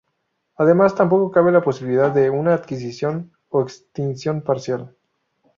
Además, tampoco cabe la posibilidad de una adquisición o extinción parcial.